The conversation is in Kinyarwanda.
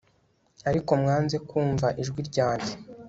ariko mwanze kumva ijwi ryanjye